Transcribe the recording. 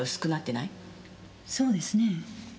そうですね。